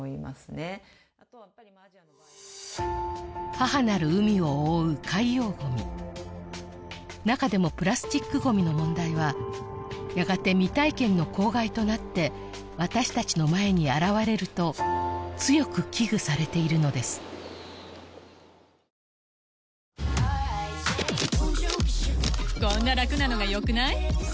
母なる海を覆う海洋ごみ中でもプラスチックごみの問題はやがて未体験の公害となって私たちの前に現れると強く危惧されているのですあっ！